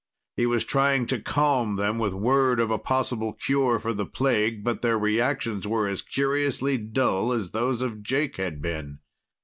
He was trying to calm them with word of a possible cure for the plague, but their reactions were as curiously dull as those of Jake had been.